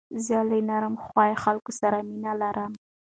زه له نرم خوی خلکو سره مینه لرم.